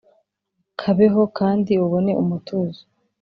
kabeho kandi ubone umutuzo